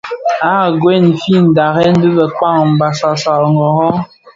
A gwei fyi dharen dhi bekpag Bassassa ngõrrõ .